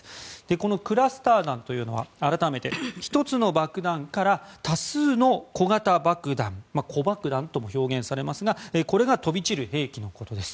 このクラスター弾というのは改めて１つの爆弾から多数の小型爆弾子爆弾とも表現されますがこれが飛び散る兵器のことです。